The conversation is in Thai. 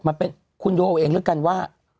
มันเป็นคุณดูเอาเองแล้วกันว่า